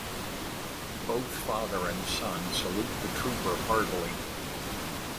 Both father and son salute the trooper heartily.